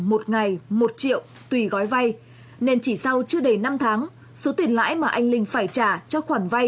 một ngày một triệu tùy gói vay nên chỉ sau chưa đầy năm tháng số tiền lãi mà anh linh phải trả cho khoản vay